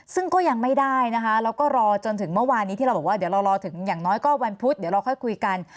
ซึ่งก็ยังไม่ได้นะคะแล้วก็รอจนถึงเมื่อวานนี้ที่เราบอกว่าเดี๋ยวเรารอถึงอย่างน้อยก็วันพุธเดี๋ยวเราค่อยคุยกัน